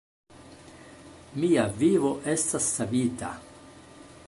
Mia vivo estas savita.